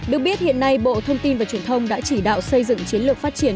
được biết hiện nay bộ thông tin và truyền thông đã chỉ đạo xây dựng chiến lược phát triển